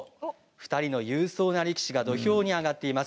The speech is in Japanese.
２人の勇壮な力士が土俵に上がっています。